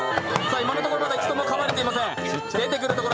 今のところまだ一度もかまれていません。